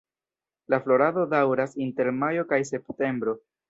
La florado daŭras inter majo kaj septembro.